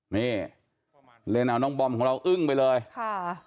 นี่เรนเอาน้องบอลล์ของเรายึ่งไปเลยครับ